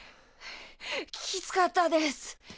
きつかったです。